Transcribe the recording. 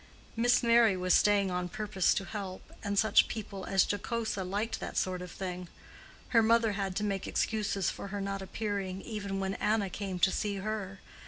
Miss Merry was staying on purpose to help, and such people as Jocosa liked that sort of thing. Her mother had to make excuses for her not appearing, even when Anna came to see her.